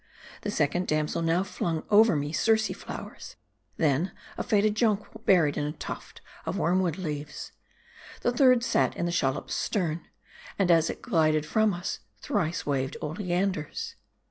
The second damsel now flung over to me Circe flowers ; then, a faded jonquil, buried in a tuft of wormwood leaves. The third sat in the shallop's stern, and as it glided from us, thrice waved oleanders.